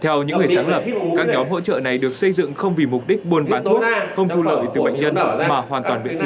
theo những người sáng lập các nhóm hỗ trợ này được xây dựng không vì mục đích buôn bán thuốc không thu lợi từ bệnh nhân mà hoàn toàn miễn phí